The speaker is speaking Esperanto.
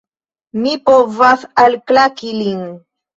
Mi povas alklaki lin!